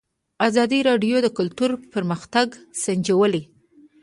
ازادي راډیو د کلتور پرمختګ سنجولی.